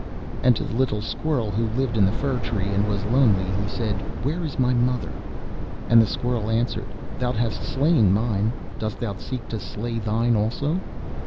And to the little Squirrel who lived in the fir tree, and was lonely, he said, 'Where is my mother?' And the Squirrel answered, 'Thou hast slain mine. Dost thou seek to slay thine also?